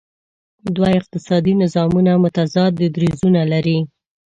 دوه اقتصادي نظامونه متضاد دریځونه لري.